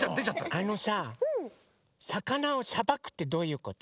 あのささかなをさばくってどういうこと？